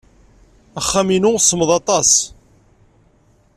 Axxam-inu semmeḍ aṭas.